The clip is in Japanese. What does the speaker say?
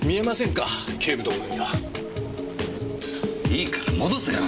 いいから戻せよ！